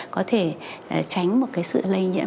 có thể tránh một cái sự lây nhiễm